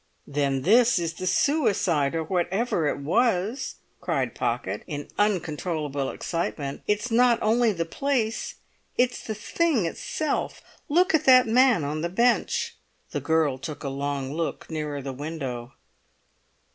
"Then this is the suicide, or whatever it was!" cried Pocket, in uncontrollable excitement. "It's not only the place; it's the thing itself. Look at that man on the bench!" The girl took a long look nearer the window.